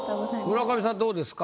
村上さんどうですか？